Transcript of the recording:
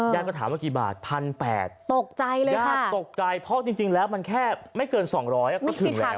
ก็ถามว่ากี่บาท๑๘๐๐ตกใจเลยญาติตกใจเพราะจริงแล้วมันแค่ไม่เกิน๒๐๐ก็ถึงแล้ว